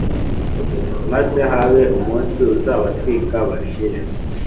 maze habe umunsi uzabatwika bashire,